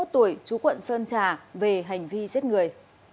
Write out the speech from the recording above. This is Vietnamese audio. bốn mươi một tuổi chú quận sơn trà về hành vi giết người